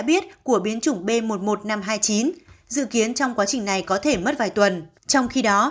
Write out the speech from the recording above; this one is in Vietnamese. biết của biến chủng b một mươi một nghìn năm trăm hai mươi chín dự kiến trong quá trình này có thể mất vài tuần trong khi đó